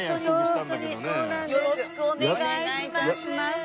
よろしくお願いします。